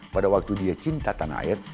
pada waktu dia cinta tanah air